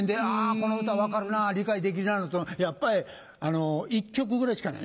この歌分かるなぁ理解できるなぁってやっぱり１曲ぐらいしかない。